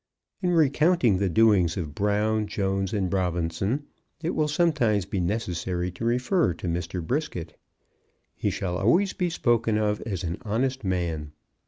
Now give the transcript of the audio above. In recounting the doings of Brown, Jones, and Robinson, it will sometimes be necessary to refer to Mr. Brisket. He shall always be spoken of as an honest man.